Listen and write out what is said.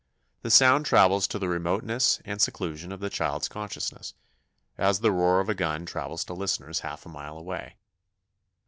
The sound travels to the remoteness and seclusion of the child's consciousness, as the roar of a gun travels to listeners half a mile away.